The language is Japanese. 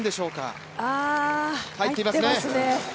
入っていますね。